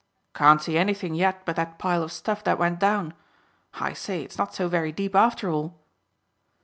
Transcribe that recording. "Can't see anything yet but that pile of stuff that went down. I say, it's not so very deep, after all."